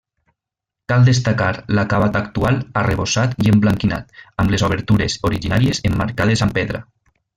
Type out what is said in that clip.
Cal destacar l'acabat actual arrebossat i emblanquinat, amb les obertures originàries emmarcades amb pedra.